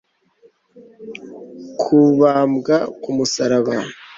kubambwa ku musaraba